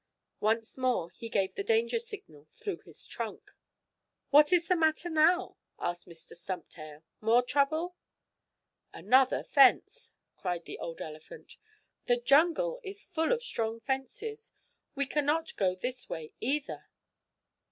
Once more he gave the danger signal through his trunk. "What is the matter now?" asked Mr. Stumptail. "More trouble?" "Another fence!" cried the old elephant. "The jungle is full of strong fences! We can not go this way, either!"